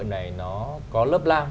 cái ảnh lễ hội này nó có lớp lam